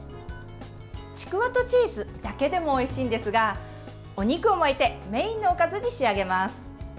ちくわとチーズだけでもおいしいんですがお肉を巻いてメインのおかずに仕上げます。